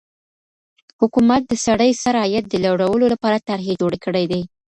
حکومت د سړي سر عاید د لوړولو لپاره طرحې جوړي کړې دي.